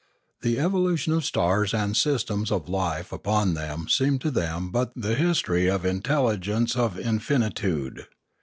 The evo lution of stars and systems and of life upon them seemed .to them but the history of the intelligence of infinitude.